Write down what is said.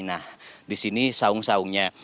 nah di sini sawung sawungnya